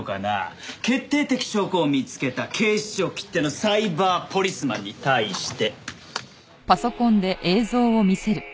決定的証拠を見つけた警視庁きってのサイバーポリスマンに対して。